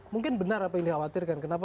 mungkin benar apa yang dikhawatirkan kenapa